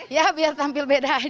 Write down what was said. ya biar tampil beda aja